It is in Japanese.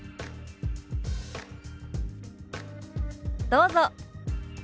どうぞ。